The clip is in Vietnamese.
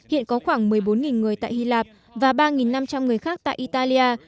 hiện có khoảng một mươi bốn người tại hy lạp và ba năm trăm linh người khác tại italia